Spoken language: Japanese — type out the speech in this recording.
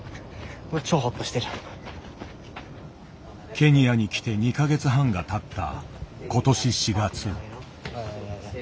ケニアに来て２か月半がたった今年４月。